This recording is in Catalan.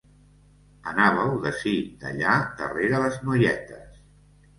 Anàveu d'ací d'allà darrere les noietes.